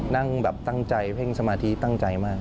นั่งแบบตั้งใจเพ่งสมาธิตั้งใจมาก